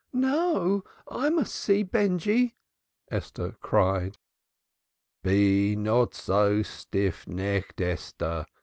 "No, I must see Benjy!" Esther cried. "Be not so stiff necked, Esther!